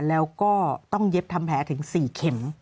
แล้วก็ต้องเย็บทำแผลถึง๔เข็ม